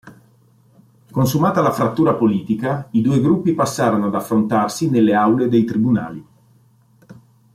Consumata la frattura politica, i due gruppi passarono ad affrontarsi nelle aule dei tribunali.